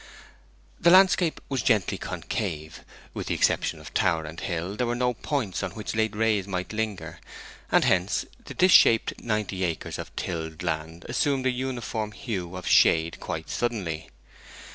The landscape was gently concave; with the exception of tower and hill there were no points on which late rays might linger; and hence the dish shaped ninety acres of tilled land assumed a uniform hue of shade quite suddenly.